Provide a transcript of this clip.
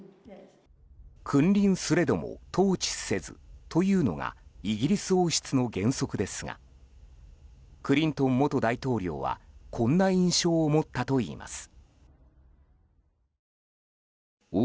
君臨すれども統治せずというのがイギリス王室の原則ですがクリントン元大統領はこんな印象を持ったといいます。